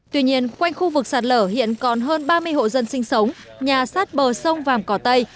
tuy nhiên quanh khu vực sạt lở hiện còn hơn ba mươi hộ dân sinh sống nhà sát bờ sông vàm cỏ tây